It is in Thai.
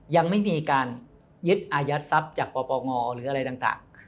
ยังไม่มีการยึดอายัดทรัพย์จากปปงหรืออะไรต่าง